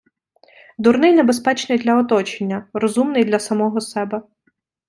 Дурний небезпечний для оточення. Розумний — для самого себе.